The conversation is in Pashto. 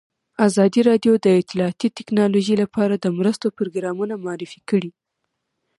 ازادي راډیو د اطلاعاتی تکنالوژي لپاره د مرستو پروګرامونه معرفي کړي.